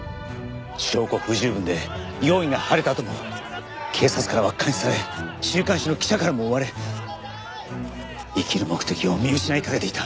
証拠不十分で容疑が晴れたあとも警察からは監視され週刊誌の記者からも追われ生きる目的を見失いかけていた。